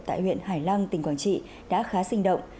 tại huyện hải lăng tỉnh quảng trị đã khá sinh động